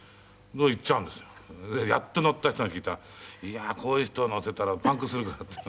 やっと乗った人に聞いたらいやあこういう人を乗せたらパンクするからって。